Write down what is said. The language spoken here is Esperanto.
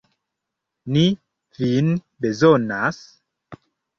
Ni vin bezonas!